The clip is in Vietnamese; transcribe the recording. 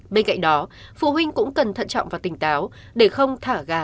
bên cạnh đó phụ huynh cũng cần thận trọng và tỉnh táo để không thả gà ra bắt